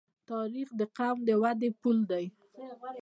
تاریخ د قوم د ودې پل دی.